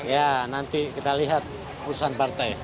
ya nanti kita lihat urusan partai